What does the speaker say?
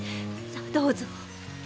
さっどうぞ。